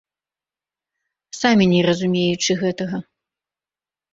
Самі не разумеючы гэтага.